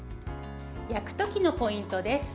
焼く時のポイントです。